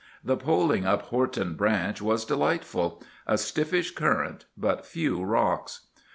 The poling up Horton Branch was delightful,—a stiffish current, but few rocks.